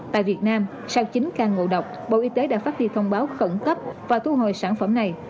tại việt nam sau chín ca ngộ độc bộ y tế đã phát đi thông báo khẩn cấp và thu hồi sản phẩm này